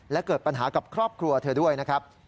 และเกิดปัญหากับครอบครัวเธอด้วยนะครับ